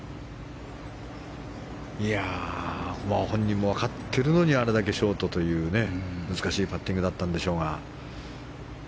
本人も分かってるのにあれだけショートという難しいパッティングだったんでしょうが。